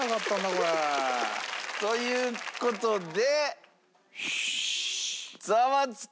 これ。という事で。